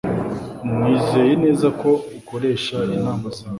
Nizeye neza ko ukoresha inama zawe